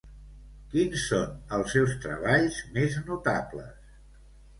Quins són els seus treballs més notables?